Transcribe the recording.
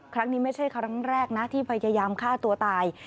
ครั้งนี้ไม่ใช่ครั้งแรกนะที่พยายามฆ่าตัวตาย